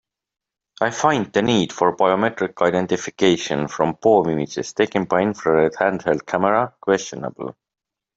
I find the need for biometric identification from palm images taken by infrared handheld camera questionable.